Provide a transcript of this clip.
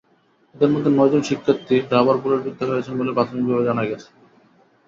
এঁদের মধ্যে নয়জন শিক্ষার্থী রাবার বুলেটবিদ্ধ হয়েছেন বলে প্রাথমিকভাবে জানা গেছে।